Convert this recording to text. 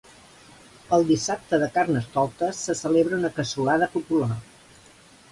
El dissabte de carnestoltes se celebra una cassolada popular.